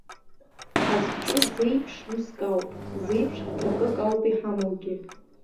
Ҳазҿу зеиԥш уск ауп, зеиԥш гәҭакык ауп иҳамоугьы.